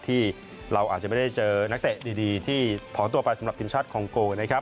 ที่เราอาจจะไม่ได้เจอนักเตะดีที่ถอนตัวไปสำหรับทีมชาติคองโกนะครับ